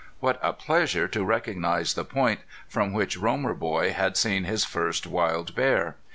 What a pleasure to recognize the point from which Romer boy had seen his first wild bear!